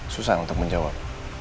susah untuk menjawab